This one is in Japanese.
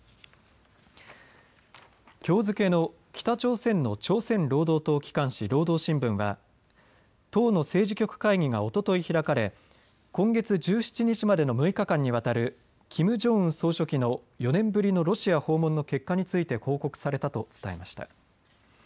きょう付けの北朝鮮の朝鮮労働党機関紙、労働新聞は党の政治局会議がおととい開かれ今月１７日までの６日間にわたるキム・ジョンウン総書記の４年ぶりのロシア訪問の結果について報告されたと伝えました。